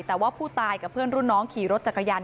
แต่ว่าผู้ตายกับเพื่อนรุ่นน้องขี่รถจักรยาน